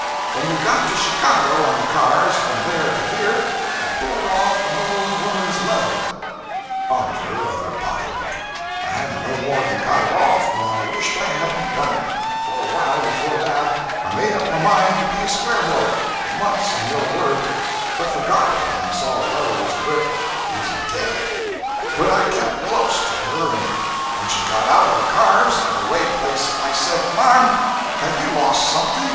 When we got to Chicago on the cars from there to here, I pulled off an old woman's leather; (Robbed her of her pocketbook) i hadn't no more than got it off when i wished i hadn't done it, for awhile before that i made up my mind to be a square bloke, for months on your word, but forgot it when i saw the leather was a grip (easy to get) but i kept clos to her & when she got out of the cars at a way place i said, marm have you lost anything.